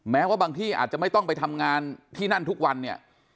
แม้ว่าบางที่อาจจะไม่ต้องไปทำงานที่นั่นทุกวันเนี่ย